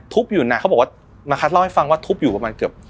อยู่น่ะเขาบอกว่ามาคัดเล่าให้ฟังว่าทุบอยู่ประมาณเกือบ